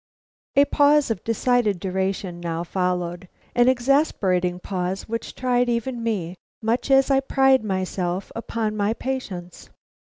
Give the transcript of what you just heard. A pause of decided duration now followed; an exasperating pause which tried even me, much as I pride myself upon my patience.